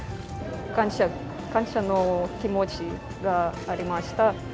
感謝の気持ちがありました。